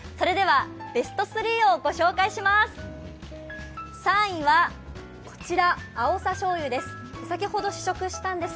ベスト３をご紹介します。